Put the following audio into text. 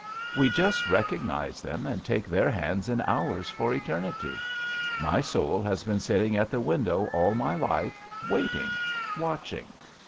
We just recognize them and take their hands in ours for eternity. My soul has been sitting at the window all my life, waiting, watching.